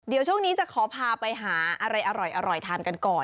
เดี๋ยวช่วงนี้จะขอพาไปหาอะไรอร่อยทานกันก่อน